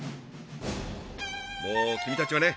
もう君たちはね